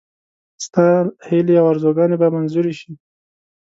ستا هیلې او آرزوګانې به منظوري شي.